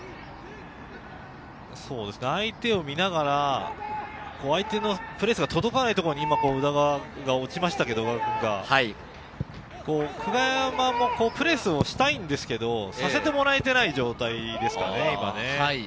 相手を見ながら相手のプレスが届かないところに宇田川が落ちましたけれど、久我山もそういうプレーをしたいですけど、させてもらえない状態ですね、今。